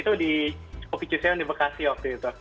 itu di kopi cusie yang di bekasi waktu itu